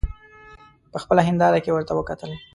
په خپله هینداره کې ورته وکتل.